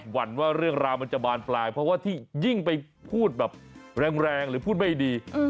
วันว่าเรื่องราวมันจะบานปลายเพราะว่าที่ยิ่งไปพูดแบบแรงหรือพูดไม่ดี